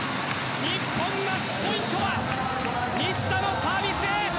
日本マッチポイントは西田のサービスエース！